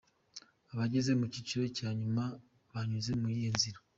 Abageze mu cyiciro cya nyuma banyuze mu yihe nzira?.